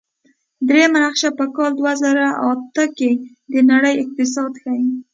دریمه نقشه په کال دوه زره اته کې د نړۍ اقتصاد ښيي.